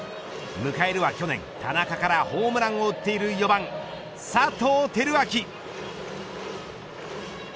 迎えるは去年田中からホームランを打っている４番佐藤輝明。